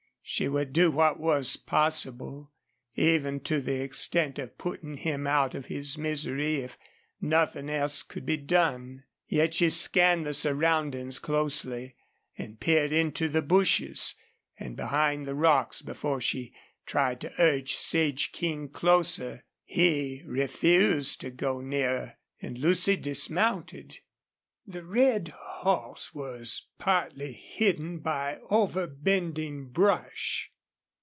She would do what was possible, even to the extent of putting him out of his misery, if nothing else could be done. Yet she scanned the surroundings closely, and peered into the bushes and behind the rocks before she tried to urge Sage King closer. He refused to go nearer, and Lucy dismounted. The red horse was partly hidden by overbending brush.